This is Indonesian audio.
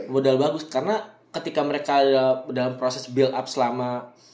modal bagus karena ketika mereka dalam proses build up selama